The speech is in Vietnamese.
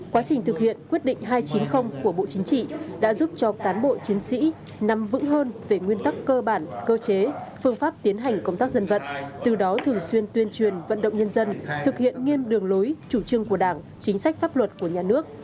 quá trình thực hiện quyết định hai trăm chín mươi của bộ chính trị đã giúp cho cán bộ chiến sĩ nắm vững hơn về nguyên tắc cơ bản cơ chế phương pháp tiến hành công tác dân vận từ đó thường xuyên tuyên truyền vận động nhân dân thực hiện nghiêm đường lối chủ trương của đảng chính sách pháp luật của nhà nước